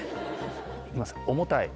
行きますよ「重たい」。